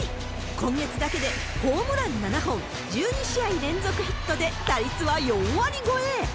今月だけでホームラン７本、１２試合連続ヒットで、打率は４割超え。